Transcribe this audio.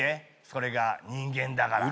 それが人間だから。